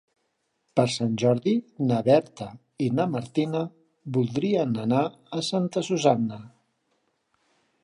Per Sant Jordi na Berta i na Martina voldrien anar a Santa Susanna.